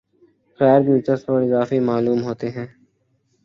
غیر دلچسپ اور اضافی معلوم ہوتے ہیں